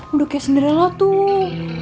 udah kayak cinderella tuh